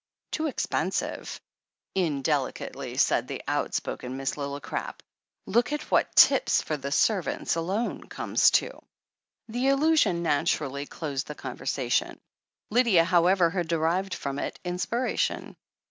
"Too expensive," indelicately said the outspoken Miss Lillicrap. "Look at what tips for the servants alone comes to." 266 THE HEEL OF ACHILLES The allusion naturally closed the conversation. Lydia, however, had derived from it inspiration.